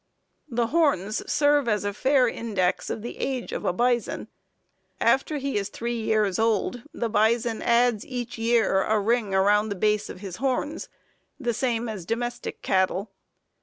The horns serve as a fair index of the age of a bison. After he is three years old, the bison adds each year a ring around the base of his horns, the same as domestic cattle.